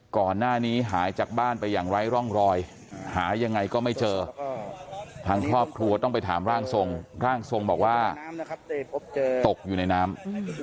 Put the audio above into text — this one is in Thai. ก่อนหน้านี้หายจากบ้านไปอย่างไร้ร่องรอยหายังไงก็ไม่เจอทางครอบครัวต้องไปถามร่างทรงร่างทรงบอกว่าตกอยู่ในน้ำ